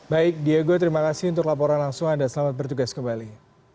baik diego terima kasih untuk laporan langsung anda selamat bertugas kembali